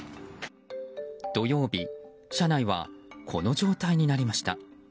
土曜日、車内はこの状態になりました。